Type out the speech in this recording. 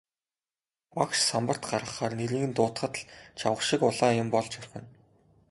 Багш самбарт гаргахаар нэрийг нь дуудахад л чавга шиг улаан юм болж орхино.